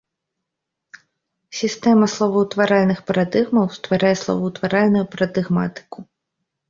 Сістэма словаўтваральных парадыгмаў стварае словаўтваральную парадыгматыку.